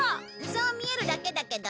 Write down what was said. そう見えるだけだけどね。